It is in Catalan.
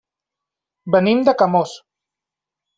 Venim de Camós.